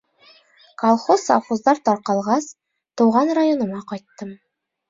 Колхоз-совхоздар тарҡалғас, тыуған районыма ҡайттым.